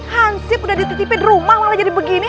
hansip udah dititipin rumah malah jadi begini